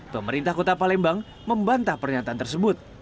pemerintah kota palembang membantah pernyataan tersebut